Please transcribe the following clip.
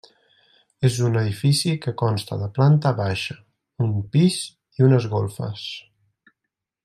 És un edifici que consta de planta baixa, un pis i unes golfes.